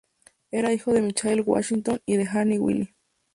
Era hijo de Michael Hutchinson y de Annie Wylie.